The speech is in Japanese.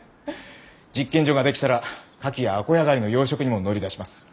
実験所が出来たら牡蠣やアコヤガイの養殖にも乗り出します。